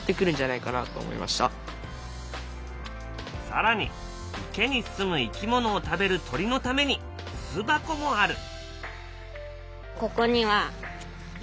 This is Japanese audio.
更に池にすむ生き物を食べる鳥のために巣箱もある。